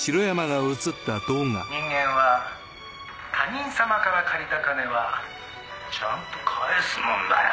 人間は他人様から借りた金はちゃんと返すもんだよ。